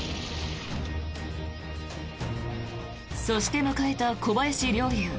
そして迎えた小林陵侑